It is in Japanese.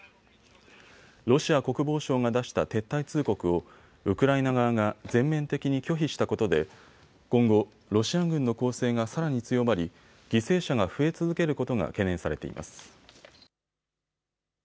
ロシア国防省が出した撤退通告をウクライナ側が全面的に拒否したことで今後、ロシア軍の攻勢がさらに強まり犠牲者が増え続けることが懸念されています。